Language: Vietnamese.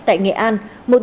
tại nghệ an